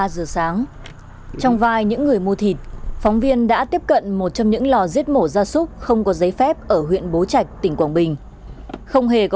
ba giờ sáng trong vai những người mua thịt phóng viên đã tiếp cận một trong những lò giết mổ ra súc không có giấy phép ở huyện bố trạch tỉnh quảng bình